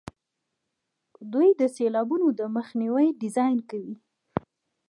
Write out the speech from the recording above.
دوی د سیلابونو د مخنیوي ډیزاین کوي.